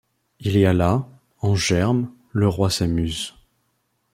Il y a là, en germe, le Roi s’amuse.